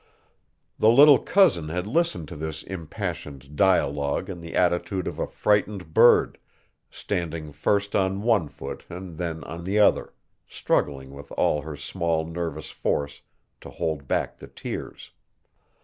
The little cousin had listened to this impassioned dialogue in the attitude of a frightened bird, standing first on one foot and then on the other, struggling with all her small nervous force to hold back the tears.